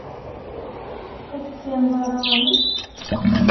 Ur tessineḍ ara amek?